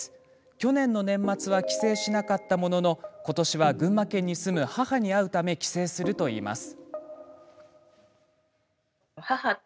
去年の年末は帰省しなかったもののことしは群馬県に住む母に会うため帰省するといいます。